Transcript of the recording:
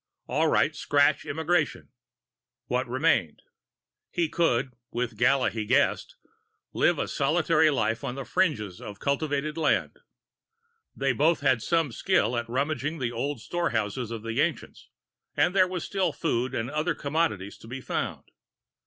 All right, scratch migration. What remained? He could with Gala, he guessed live a solitary life on the fringes of cultivated land. They both had some skill at rummaging the old storehouses of the ancients, and there was still food and other commodities to be found.